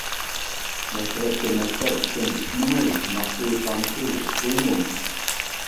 مەشرەپكە مەشرەپ ئىكەن ئىسمىڭىز، ناخشا ئېيتامسىز، ئۇسۇلمۇ.